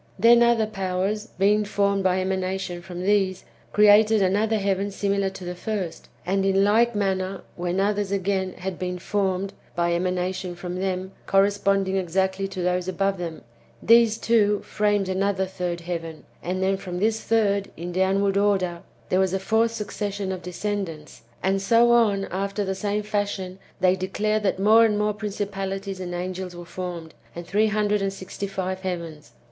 Then other powers, being formed by emanation from these, created another heaven similar to the first ; and in like manner, when others, again, had been formed by emanation from them, Book l] IRENuEUS AGAINST HERESIES. 91 corresponding exactly to those above them, these, too, framed another third heaven; and then from this third, in downward order, there was a fourth succession of descendants ; and so on, after the same fashion, they declare that more and more principalities and angels were formed, and three hundred and sixty five heavens.